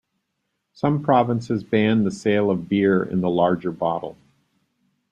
Some provinces banned the sale of beer in the larger bottle.